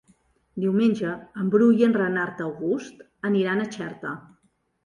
Diumenge en Bru i en Renat August aniran a Xerta.